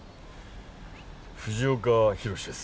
藤岡弘、です。